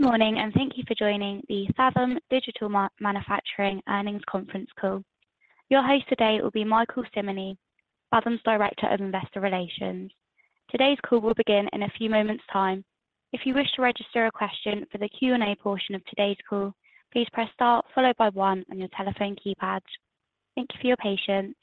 Good morning, thank you for joining the Fathom Digital Manufacturing Earnings Conference Call. Your host today will be Michael Cimini, Fathom's Director of Investor Relations. Today's call will begin in a few moments' time. If you wish to register a question for the Q&A portion of today's call, please press star followed by 1 on your telephone keypad. Thank you for your patience.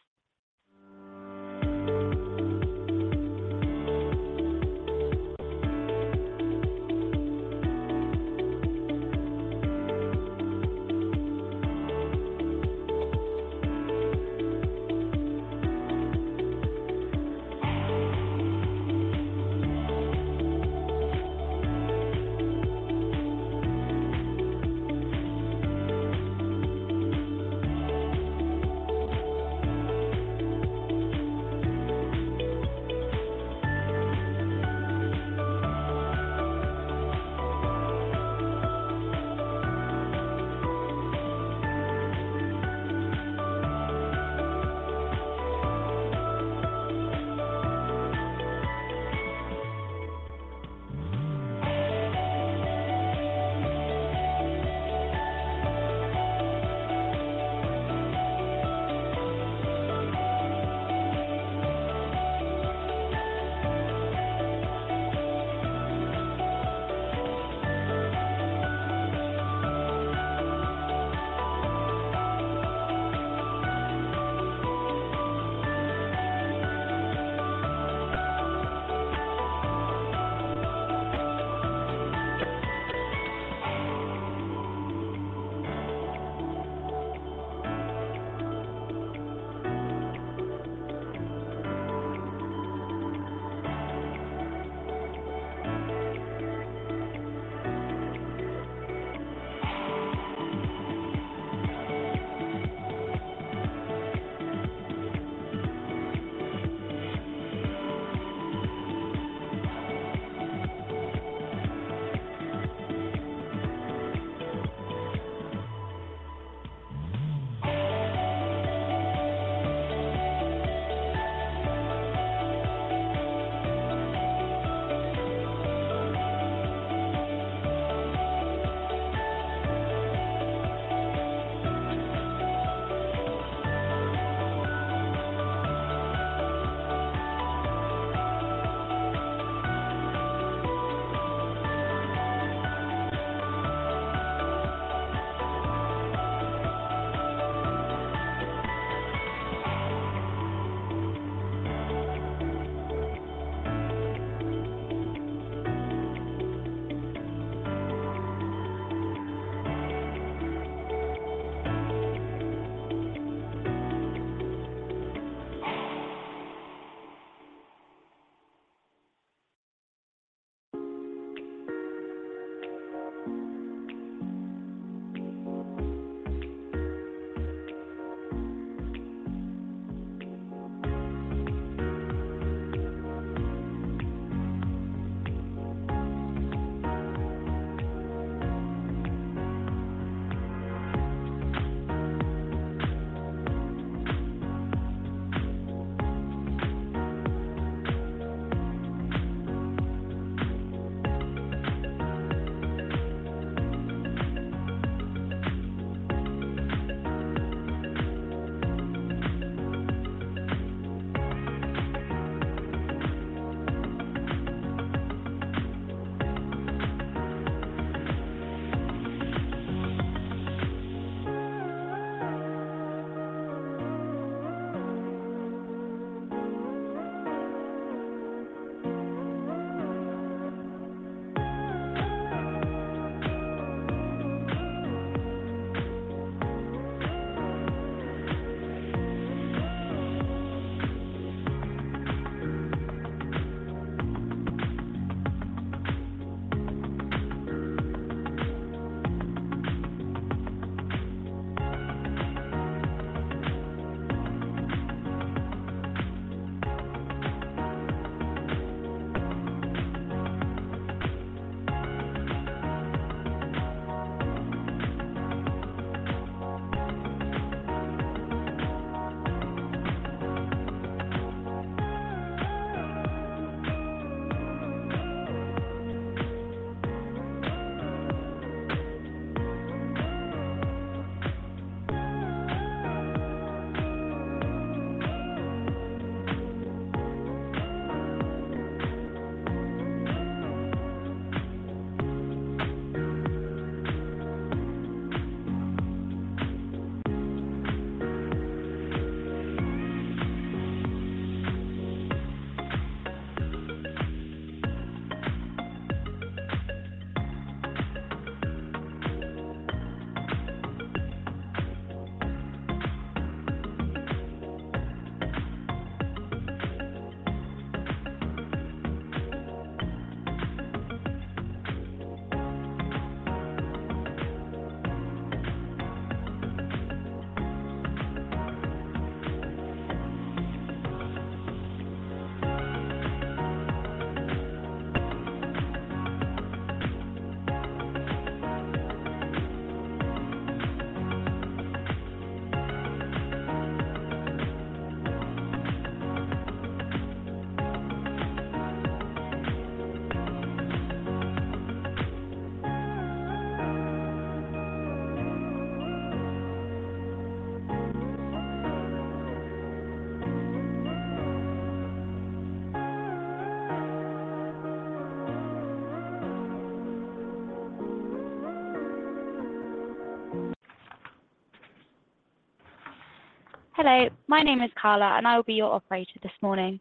Hello, my name is Carla, I will be your operator this morning.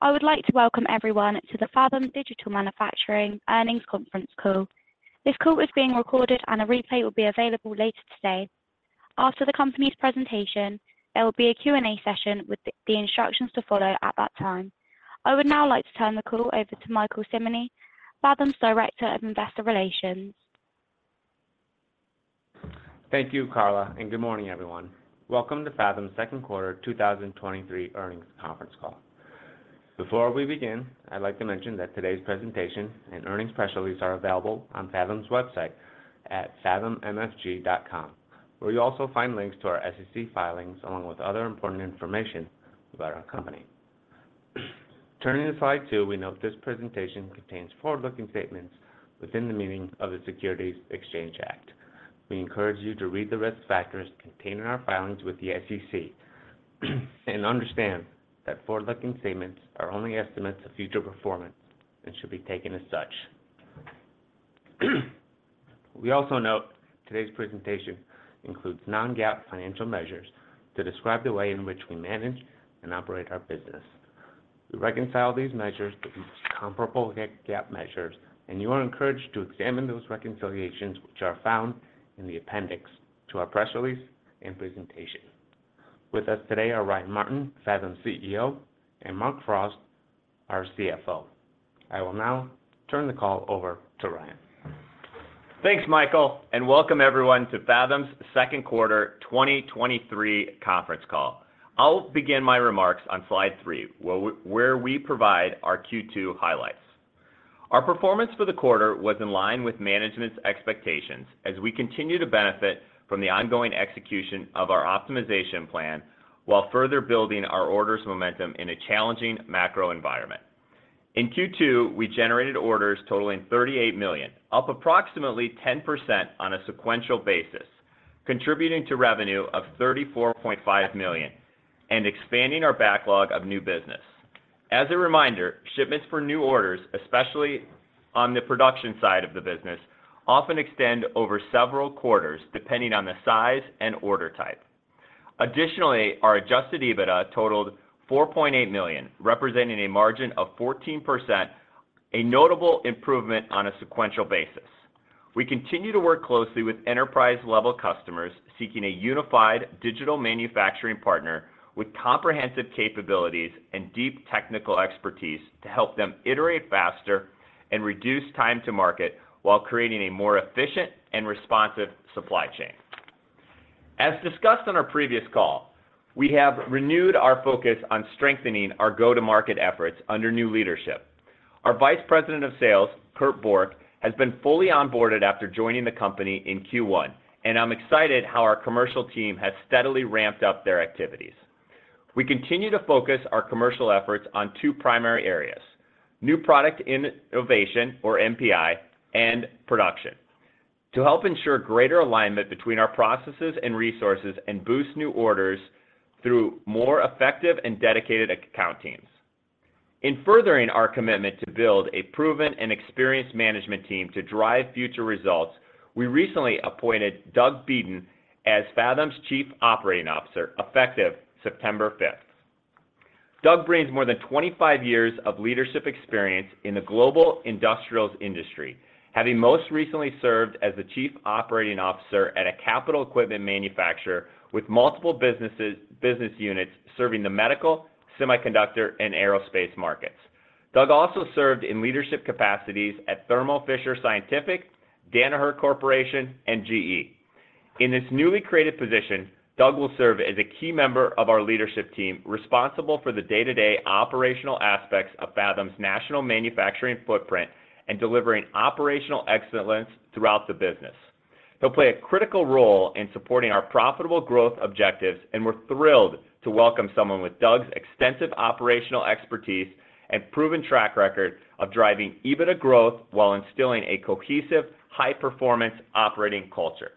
I would like to welcome everyone to the Fathom Digital Manufacturing Earnings Conference Call. This call is being recorded, a replay will be available later today. After the company's presentation, there will be a Q&A session with the instructions to follow at that time. I would now like to turn the call over to Michael Cimini, Fathom's Director of Investor Relations. Thank you, Carla. Good morning, everyone. Welcome to Fathom's second quarter 2023 Earnings Conference Call. Before we begin, I'd like to mention that today's presentation and earnings press release are available on Fathom's website at fathommfg.com, where you'll also find links to our SEC filings, along with other important information about our company. Turning to slide 2, we note this presentation contains forward-looking statements within the meaning of the Securities Exchange Act. We encourage you to read the risk factors contained in our filings with the SEC, understand that forward-looking statements are only estimates of future performance and should be taken as such. We also note today's presentation includes non-GAAP financial measures to describe the way in which we manage and operate our business. We reconcile these measures to each comparable GAAP measure. You are encouraged to examine those reconciliations, which are found in the appendix to our press release and presentation. With us today are Ryan Martin, Fathom's CEO, and Mark Frost, our CFO. I will now turn the call over to Ryan. Thanks, Michael, and welcome everyone to Fathom's second quarter, 2023 conference call. I'll begin my remarks on slide 3, where we provide our Q2 highlights. Our performance for the quarter was in line with management's expectations as we continue to benefit from the ongoing execution of our optimization plan, while further building our orders momentum in a challenging macro environment. In Q2, we generated orders totaling $38 million, up approximately 10% on a sequential basis, contributing to revenue of $34.5 million and expanding our backlog of new business. As a reminder, shipments for new orders, especially on the production side of the business, often extend over several quarters, depending on the size and order type. Additionally, our Adjusted EBITDA totaled $4.8 million, representing a margin of 14%, a notable improvement on a sequential basis. We continue to work closely with enterprise-level customers seeking a unified digital manufacturing partner with comprehensive capabilities and deep technical expertise to help them iterate faster and reduce time to market, while creating a more efficient and responsive supply chain. As discussed on our previous call, we have renewed our focus on strengthening our go-to-market efforts under new leadership. Our Vice President of Sales, Kurt Boken, has been fully onboarded after joining the company in Q1, and I'm excited how our commercial team has steadily ramped up their activities. We continue to focus our commercial efforts on two primary areas: new product innovation, or NPI, and production, to help ensure greater alignment between our processes and resources and boost new orders through more effective and dedicated account teams. In furthering our commitment to build a proven and experienced management team to drive future results, we recently appointed Doug Beaton as Fathom's Chief Operating Officer, effective September 5th. Doug brings more than 25 years of leadership experience in the global industrials industry, having most recently served as the chief operating officer at a capital equipment manufacturer with multiple business units serving the medical, semiconductor, and aerospace markets. Doug also served in leadership capacities at Thermo Fisher Scientific, Danaher Corporation, and GE. In this newly created position, Doug will serve as a key member of our leadership team, responsible for the day-to-day operational aspects of Fathom's national manufacturing footprint and delivering operational excellence throughout the business. He'll play a critical role in supporting our profitable growth objectives. We're thrilled to welcome someone with Doug's extensive operational expertise and proven track record of driving EBITDA growth while instilling a cohesive, high-performance operating culture.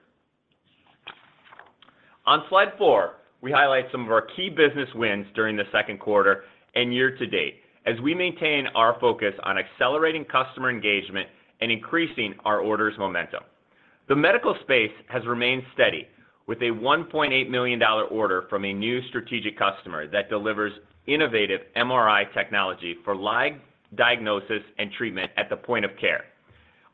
On slide four, we highlight some of our key business wins during the second quarter and year to date, as we maintain our focus on accelerating customer engagement and increasing our orders momentum. The medical space has remained steady, with a $1.8 million order from a new strategic customer that delivers innovative MRI technology for live diagnosis and treatment at the point of care.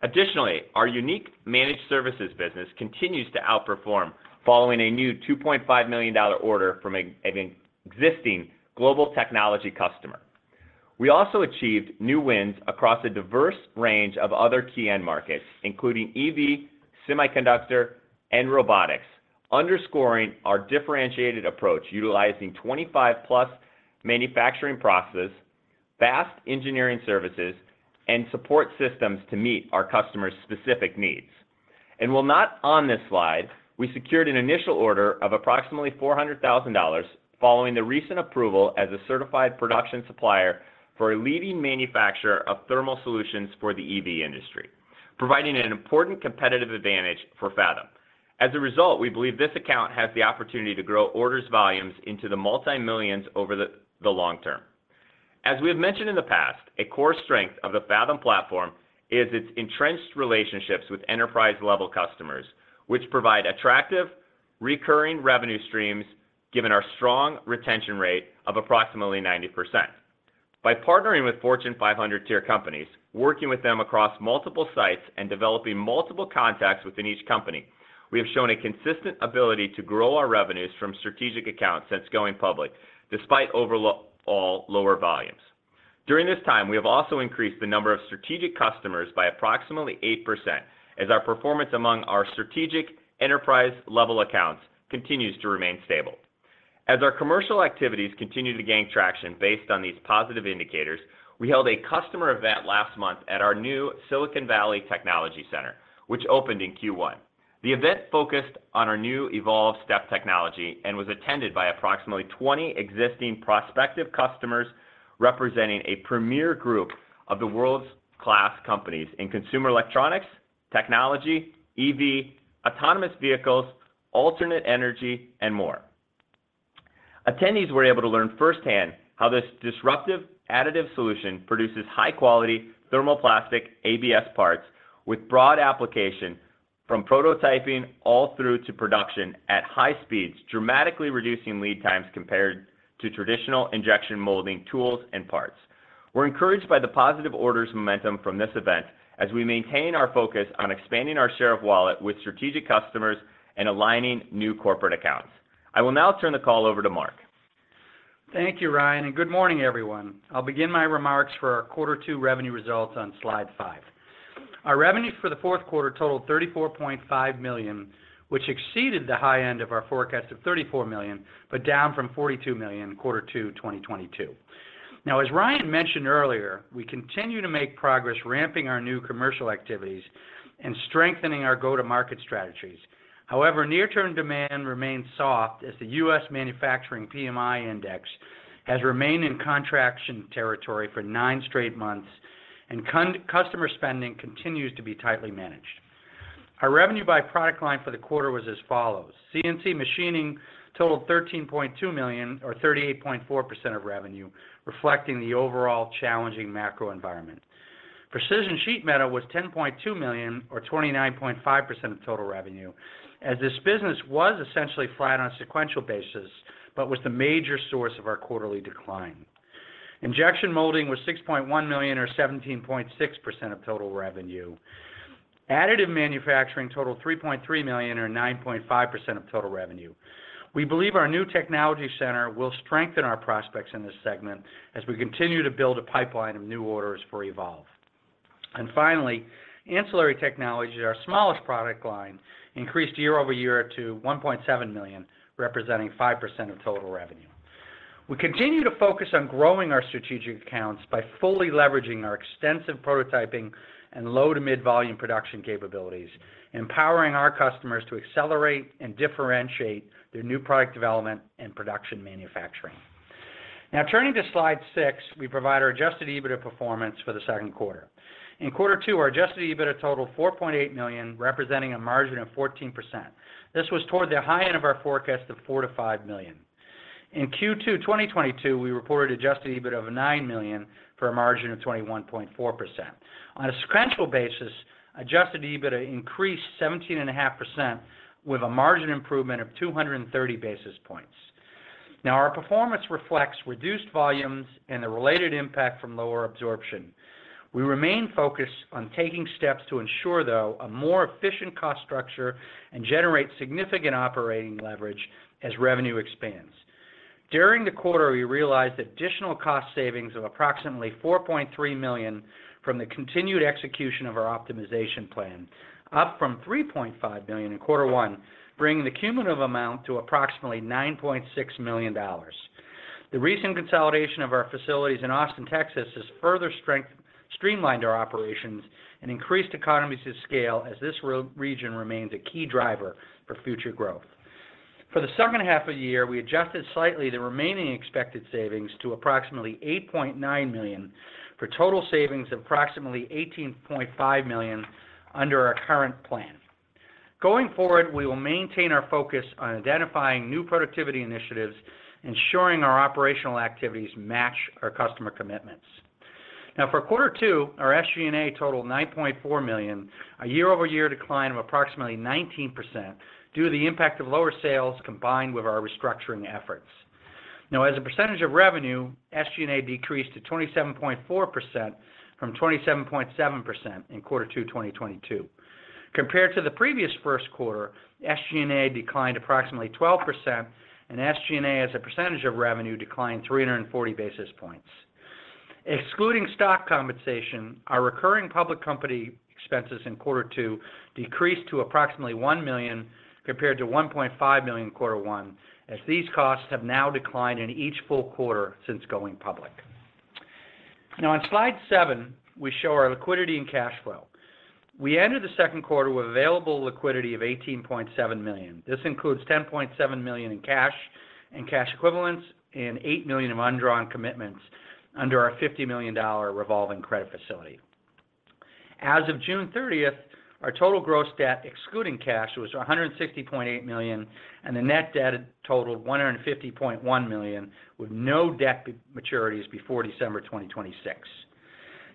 Additionally, our unique managed services business continues to outperform, following a new $2.5 million order from an existing global technology customer. We also achieved new wins across a diverse range of other key end markets, including EV, semiconductor, and robotics, underscoring our differentiated approach, utilizing 25+ manufacturing processes, fast engineering services, and support systems to meet our customers' specific needs. While not on this slide, we secured an initial order of approximately $400,000 following the recent approval as a certified production supplier for a leading manufacturer of thermal solutions for the EV industry, providing an important competitive advantage for Fathom. As a result, we believe this account has the opportunity to grow orders volumes into the multi-millions over the long term. As we have mentioned in the past, a core strength of the Fathom platform is its entrenched relationships with enterprise-level customers, which provide attractive, recurring revenue streams, given our strong retention rate of approximately 90%. By partnering with Fortune 500 tier companies, working with them across multiple sites and developing multiple contacts within each company, we have shown a consistent ability to grow our revenues from strategic accounts since going public, despite overall lower volumes. During this time, we have also increased the number of strategic customers by approximately 8%, as our performance among our strategic enterprise-level accounts continues to remain stable. As our commercial activities continue to gain traction based on these positive indicators, we held a customer event last month at our new Silicon Valley Technology Center, which opened in Q1. The event focused on our new Evolve STEP technology and was attended by approximately 20 existing prospective customers, representing a premier group of the world's class companies in consumer electronics, technology, EV, autonomous vehicles, alternate energy, and more. Attendees were able to learn firsthand how this disruptive additive solution produces high-quality thermoplastic ABS parts with broad application from prototyping all through to production at high speeds, dramatically reducing lead times compared to traditional injection molding tools and parts. We're encouraged by the positive orders momentum from this event as we maintain our focus on expanding our share of wallet with strategic customers and aligning new corporate accounts. I will now turn the call over to Mark. Thank you, Ryan. Good morning, everyone. I'll begin my remarks for our Quarter Two revenue results on Slide 5. Our revenues for the fourth quarter totaled $34.5 million, which exceeded the high end of our forecast of $34 million, down from $42 million in Quarter Two, 2022. As Ryan mentioned earlier, we continue to make progress ramping our new commercial activities and strengthening our go-to-market strategies. Near-term demand remains soft as the US Manufacturing PMI Index has remained in contraction territory for 9 straight months, customer spending continues to be tightly managed. Our revenue by product line for the quarter was as follows: CNC machining totaled $13.2 million, or 38.4% of revenue, reflecting the overall challenging macro environment. Precision sheet metal was $10.2 million, or 29.5% of total revenue, as this business was essentially flat on a sequential basis, but was the major source of our quarterly decline. Injection molding was $6.1 million, or 17.6% of total revenue. Additive manufacturing totaled $3.3 million, or 9.5% of total revenue. We believe our new Technology Center will strengthen our prospects in this segment as we continue to build a pipeline of new orders for Evolve. Finally, ancillary technology, our smallest product line, increased year-over-year to $1.7 million, representing 5% of total revenue. We continue to focus on growing our strategic accounts by fully leveraging our extensive prototyping and low to mid-volume production capabilities, empowering our customers to accelerate and differentiate their new product development and production manufacturing. Turning to Slide 6, we provide our Adjusted EBITDA performance for the second quarter. In Quarter Two, our Adjusted EBITDA totaled $4.8 million, representing a margin of 14%. This was toward the high end of our forecast of $4 million-$5 million. In Q2 2022, we reported Adjusted EBITDA of $9 million for a margin of 21.4%. On a sequential basis, Adjusted EBITDA increased 17.5%, with a margin improvement of 230 basis points. Our performance reflects reduced volumes and the related impact from lower absorption. We remain focused on taking steps to ensure, though, a more efficient cost structure and generate significant operating leverage as revenue expands. During the quarter, we realized additional cost savings of approximately $4.3 million from the continued execution of our optimization plan, up from $3.5 million in Q1, bringing the cumulative amount to approximately $9.6 million. The recent consolidation of our facilities in Austin, Texas, has further streamlined our operations and increased economies of scale as this region remains a key driver for future growth. For the second half of the year, we adjusted slightly the remaining expected savings to approximately $8.9 million, for total savings of approximately $18.5 million under our current plan. Going forward, we will maintain our focus on identifying new productivity initiatives, ensuring our operational activities match our customer commitments. For Quarter 2, our SG&A totaled $9.4 million, a year-over-year decline of approximately 19%, due to the impact of lower sales combined with our restructuring efforts. As a percentage of revenue, SG&A decreased to 27.4% from 27.7% in Quarter 2, 2022. Compared to the previous 1st quarter, SG&A declined approximately 12%, and SG&A, as a percentage of revenue, declined 340 basis points. Excluding stock compensation, our recurring public company expenses in Quarter 2 decreased to approximately $1 million, compared to $1.5 million in Quarter 1, as these costs have now declined in each full quarter since going public. On slide 7, we show our liquidity and cash flow. We entered the 2nd quarter with available liquidity of $18.7 million. This includes $10.7 million in cash and cash equivalents, and $8 million of undrawn commitments under our $50 million revolving credit facility. As of June 30th, our total gross debt, excluding cash, was $160.8 million, and the net debt totaled $150.1 million, with no debt maturities before December 2026.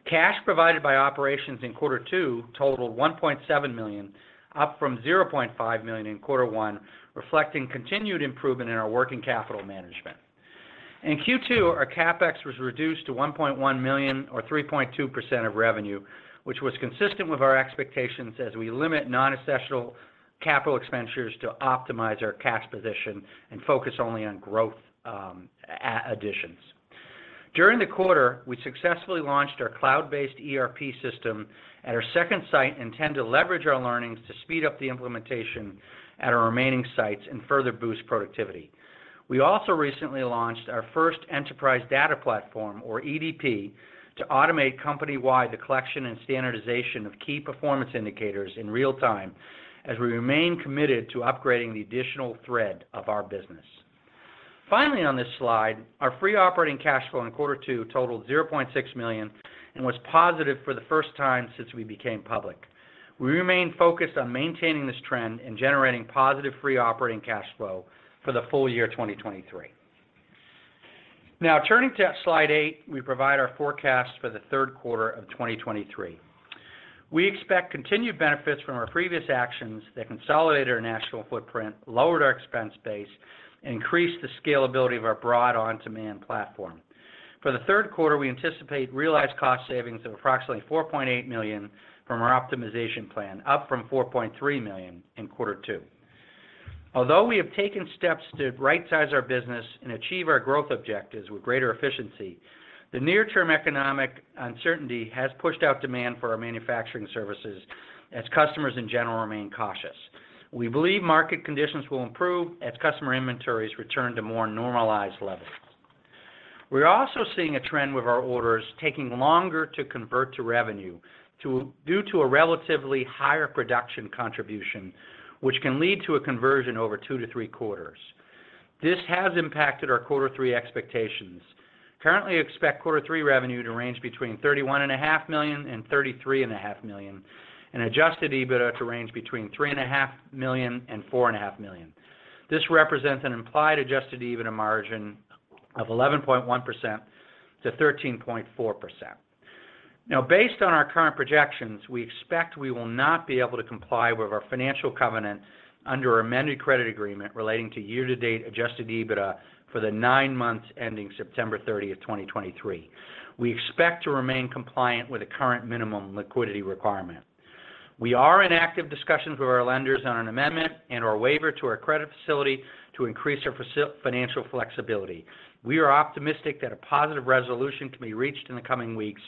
Cash provided by operations in quarter two totaled $1.7 million, up from $0.5 million in quarter one, reflecting continued improvement in our working capital management. In Q2, our CapEx was reduced to $1.1 million or 3.2% of revenue, which was consistent with our expectations as we limit non-essential capital expenditures to optimize our cash position and focus only on growth additions. During the quarter, we successfully launched our cloud-based ERP system at our second site, and tend to leverage our learnings to speed up the implementation at our remaining sites and further boost productivity. We also recently launched our first enterprise data platform, or EDP, to automate company-wide the collection and standardization of key performance indicators in real time, as we remain committed to upgrading the digital thread of our business. Finally, on this slide, our free operating cash flow in quarter two totaled $0.6 million and was positive for the first time since we became public. We remain focused on maintaining this trend and generating positive free operating cash flow for the full year 2023. Turning to slide eight, we provide our forecast for the third quarter of 2023. We expect continued benefits from our previous actions that consolidated our national footprint, lowered our expense base, and increased the scalability of our broad on-demand platform. For the third quarter, we anticipate realized cost savings of approximately $4.8 million from our optimization plan, up from $4.3 million in quarter two. Although we have taken steps to rightsize our business and achieve our growth objectives with greater efficiency, the near-term economic uncertainty has pushed out demand for our manufacturing services as customers, in general, remain cautious. We believe market conditions will improve as customer inventories return to more normalized levels. We're also seeing a trend with our orders taking longer to convert to revenue, due to a relatively higher production contribution, which can lead to a conversion over 2-3 quarters. This has impacted our quarter three expectations. Currently, expect quarter three revenue to range between $31.5 million and $33.5 million, Adjusted EBITDA to range between $3.5 million and $4.5 million. This represents an implied Adjusted EBITDA margin of 11.1%-13.4%. Based on our current projections, we expect we will not be able to comply with our financial covenant under our amended credit agreement relating to year-to-date Adjusted EBITDA for the nine months ending September 30th, 2023. We expect to remain compliant with the current minimum liquidity requirement. We are in active discussions with our lenders on an amendment and/or waiver to our credit facility to increase our financial flexibility. We are optimistic that a positive resolution can be reached in the coming weeks,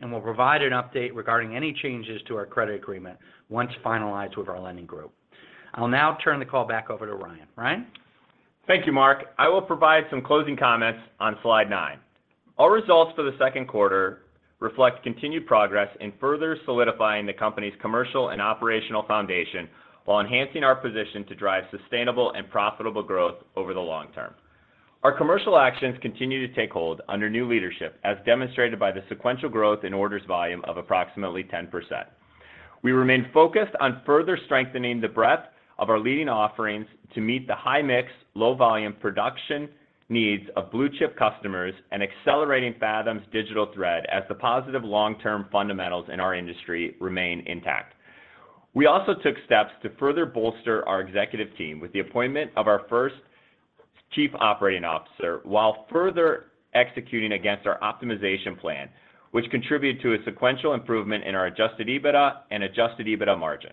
and we'll provide an update regarding any changes to our credit agreement once finalized with our lending group. I'll now turn the call back over to Ryan. Ryan? Thank you, Mark. I will provide some closing comments on slide nine. Our results for the second quarter reflect continued progress in further solidifying the company's commercial and operational foundation, while enhancing our position to drive sustainable and profitable growth over the long term. Our commercial actions continue to take hold under new leadership, as demonstrated by the sequential growth in orders volume of approximately 10%. We remain focused on further strengthening the breadth of our leading offerings to meet the high-mix, low-volume production needs of blue-chip customers and accelerating Fathom's digital thread, as the positive long-term fundamentals in our industry remain intact. We also took steps to further bolster our executive team with the appointment of our first Chief Operating Officer, while further executing against our optimization plan, which contributed to a sequential improvement in our Adjusted EBITDA and Adjusted EBITDA margin.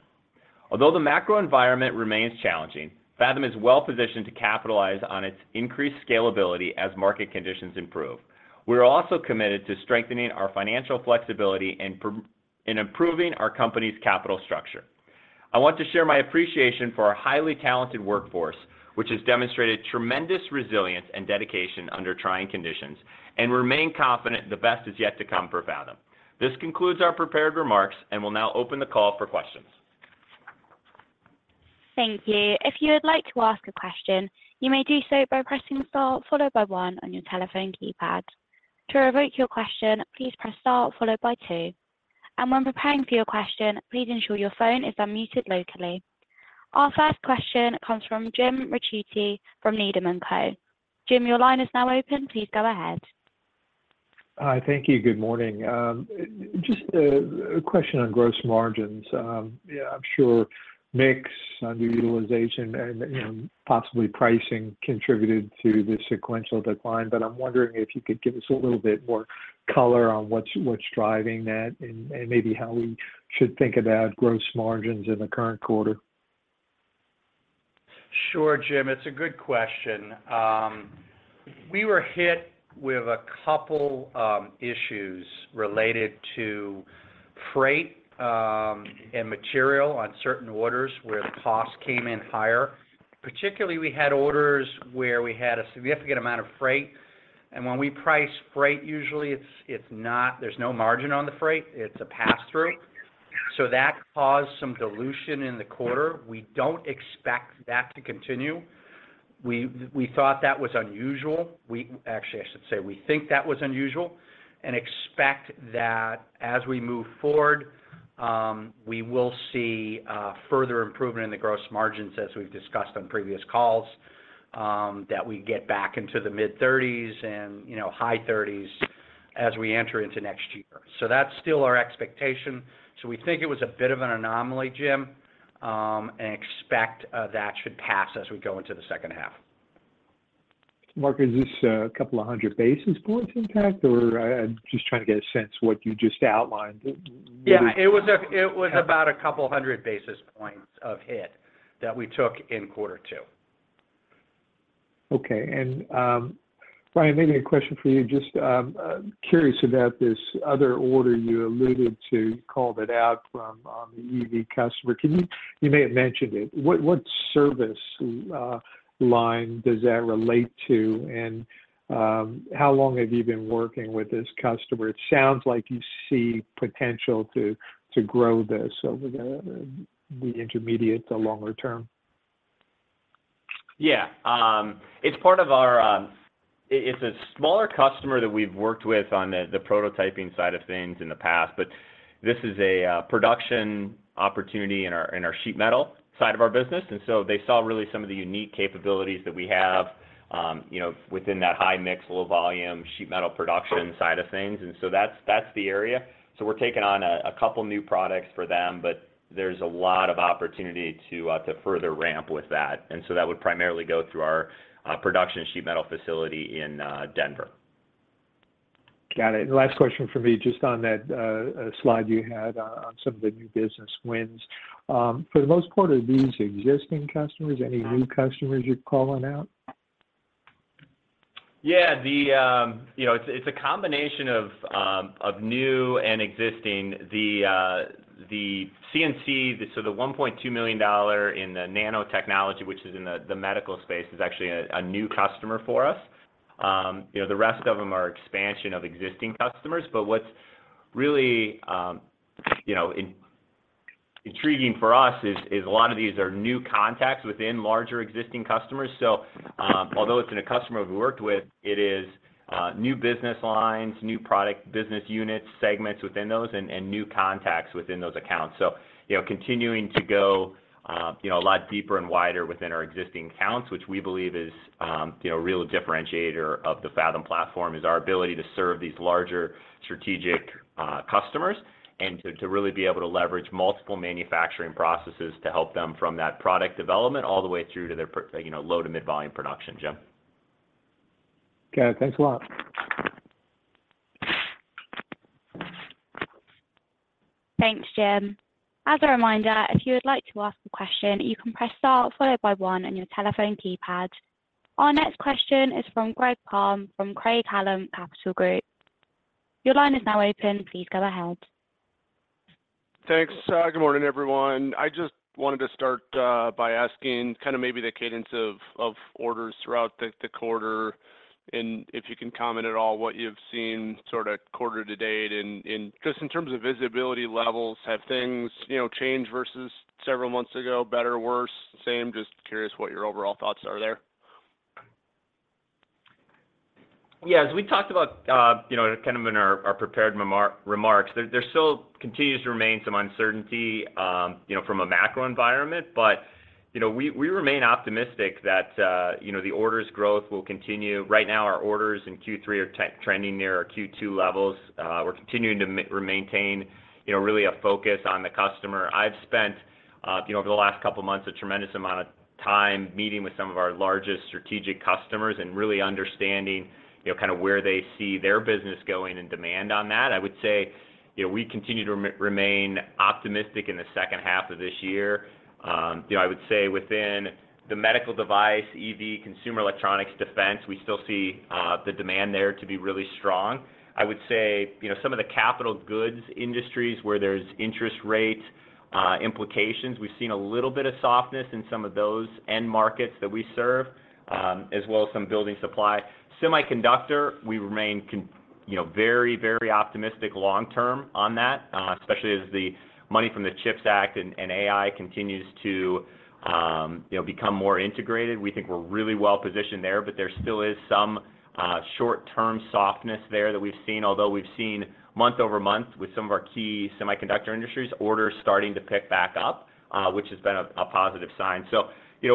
Although the macro environment remains challenging, Fathom is well positioned to capitalize on its increased scalability as market conditions improve. We're also committed to strengthening our financial flexibility and in improving our company's capital structure. I want to share my appreciation for our highly talented workforce, which has demonstrated tremendous resilience and dedication under trying conditions, and remain confident the best is yet to come for Fathom. This concludes our prepared remarks, and we'll now open the call for questions. Thank you. If you would like to ask a question, you may do so by pressing star followed by one on your telephone keypad. To revoke your question, please press star followed by two. When preparing for your question, please ensure your phone is unmuted locally. Our first question comes from Jim Ricchiuti from Needham & Company. Jim, your line is now open. Please go ahead. Hi. Thank you. Good morning. Just a, a question on gross margins. Yeah, I'm sure mix, new utilization and, and possibly pricing contributed to the sequential decline, but I'm wondering if you could give us a little bit more color on what's, what's driving that and, and maybe how we should think about gross margins in the current quarter? Sure, Jim. It's a good question. We were hit with a couple issues related to freight and material on certain orders where the costs came in higher. Particularly, we had orders where we had a significant amount of freight, and when we price freight, usually it's not, there's no margin on the freight. It's a pass-through. That caused some dilution in the quarter. We don't expect that to continue. We, we thought that was unusual. Actually, I should say, we think that was unusual, and expect that as we move forward, we will see further improvement in the gross margins, as we've discussed on previous calls, that we get back into the mid-thirties and, you know, high thirties as we enter into next year. That's still our expectation. We think it was a bit of an anomaly, Jim, and expect that should pass as we go into the second half. Mark, is this a 200 basis points impact, or... I'm just trying to get a sense what you just outlined? Yeah. It was about 200 basis points of hit that we took in quarter two. Okay. Ryan, maybe a question for you. Just curious about this other order you alluded to, called it out from the EV customer. You may have mentioned it. What, what service line does that relate to, and how long have you been working with this customer? It sounds like you see potential to, to grow this over the, the intermediate to longer term. Yeah. It's part of our, it's a smaller customer that we've worked with on the, the prototyping side of things in the past, but this is a production opportunity in our, in our sheet metal side of our business. They saw really some of the unique capabilities that we have, you know, within that high-mix, low-volume, sheet metal production side of things. That's, that's the area. We're taking on a couple new products for them, but there's a lot of opportunity to further ramp with that. That would primarily go through our production sheet metal facility in Denver. Got it. Last question from me, just on that slide you had on, on some of the new business wins. For the most part, are these existing customers? Any new customers you're calling out? Yeah, the, you know, it's, it's a combination of new and existing. The CNC, the, so the $1.2 million in the nanotechnology, which is in the, the medical space, is actually a, a new customer for us. You know, the rest of them are expansion of existing customers. But what's really, you know, intriguing for us is, is a lot of these are new contacts within larger existing customers. So, although it's in a customer we've worked with, it is, new business lines, new product business units, segments within those, and, and new contacts within those accounts. You know, continuing to go, you know, a lot deeper and wider within our existing accounts, which we believe is, you know, a real differentiator of the Fathom platform, is our ability to serve these larger strategic customers and to, to really be able to leverage multiple manufacturing processes to help them from that product development all the way through to their you know, low to mid-volume production. Jim? Okay. Thanks a lot. Thanks, Jim. As a reminder, if you would like to ask a question, you can press star followed by one on your telephone keypad. Our next question is from Greg Palm from Craig-Hallum Capital Group. Your line is now open. Please go ahead. Thanks. Good morning, everyone. I just wanted to start by asking kind of maybe the cadence of orders throughout the quarter, and if you can comment at all what you've seen sort of quarter to date. Just in terms of visibility levels, have things, you know, changed versus several months ago, better, worse, same? Just curious what your overall thoughts are there. Yeah, as we talked about, you know, kind of in our, our prepared remarks, there still continues to remain some uncertainty, you know, from a macro environment. You know, we, we remain optimistic that, you know, the orders growth will continue. Right now, our orders in Q3 are trending near our Q2 levels. We're continuing to maintain, you know, really a focus on the customer. I've spent, you know, over the last couple of months, a tremendous amount of time meeting with some of our largest strategic customers and really understanding, you know, kind of where they see their business going and demand on that. I would say, you know, we continue to remain optimistic in the second half of this year. You know, I would say within the medical device, EV, consumer electronics, defense, we still see the demand there to be really strong. I would say, you know, some of the capital goods industries, where there's interest rate implications, we've seen a little bit of softness in some of those end markets that we serve, as well as some building supply. Semiconductor, we remain you know, very, very optimistic long term on that, especially as the money from the CHIPS Act and AI continues to, you know, become more integrated. We think we're really well-positioned there, but there still is some short-term softness there that we've seen, although we've seen month-over-month with some of our key semiconductor industries, orders starting to pick back up, which has been a positive sign. You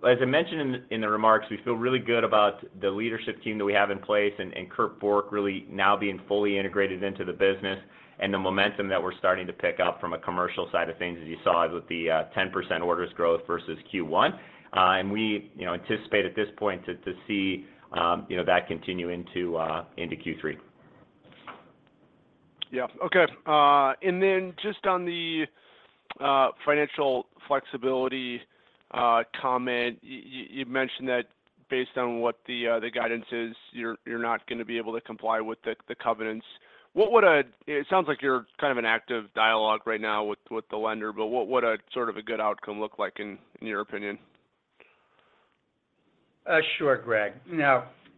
know, as I mentioned in, in the remarks, we feel really good about the leadership team that we have in place, and, and Kurt Boken really now being fully integrated into the business, and the momentum that we're starting to pick up from a commercial side of things, as you saw with the, 10% orders growth versus Q1. We, you know, anticipate at this point to, to see, you know, that continue into, into Q3. Yeah. Okay. Then just on the financial flexibility comment, you mentioned that based on what the guidance is, you're not gonna be able to comply with the covenants. It sounds like you're kind of an active dialogue right now with the lender, but what would a sort of a good outcome look like in your opinion? Sure, Greg.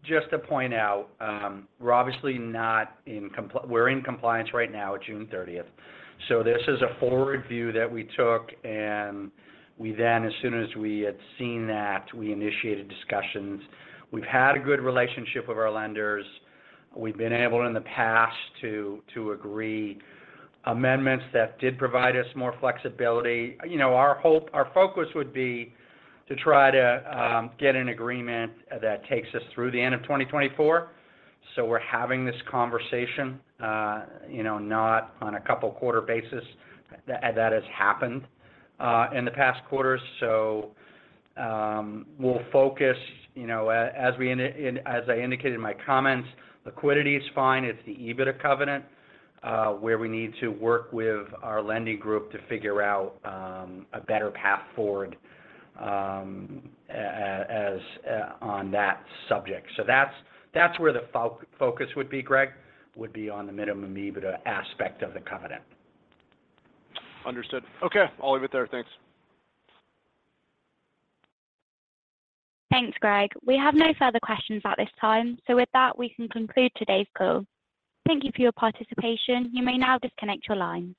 Just to point out, we're obviously not in compliance right now at June thirtieth. This is a forward view that we took, and we then, as soon as we had seen that, we initiated discussions. We've had a good relationship with our lenders. We've been able, in the past, to agree amendments that did provide us more flexibility. You know, our hope, our focus would be to try to get an agreement that takes us through the end of 2024. We're having this conversation, you know, not on a couple quarter basis. That has happened in the past quarters, so we'll focus, you know, as I indicated in my comments, liquidity is fine. It's the EBITDA covenant, where we need to work with our lending group to figure out a better path forward, on that subject. That's, that's where the focus would be, Greg, would be on the minimum EBITDA aspect of the covenant. Understood. Okay, I'll leave it there. Thanks. Thanks, Greg. We have no further questions at this time. With that, we can conclude today's call. Thank you for your participation. You may now disconnect your line.